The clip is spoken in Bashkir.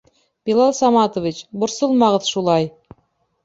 Билал Саматович, борсолмағыҙ шулай.